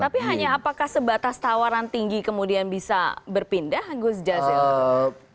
tapi hanya apakah sebatas tawaran tinggi kemudian bisa berpindah gus jazil